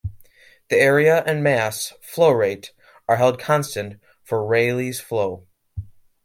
The area and mass flow rate are held constant for Rayleigh flow.